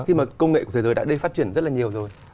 khi mà công nghệ của thế giới đã đi phát triển rất là nhiều rồi